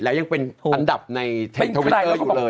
แล้วยังเป็นอันดับในเทคทวิตเตอร์อยู่เลย